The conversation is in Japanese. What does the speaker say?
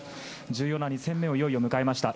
重要な２戦目をいよいよ迎えました。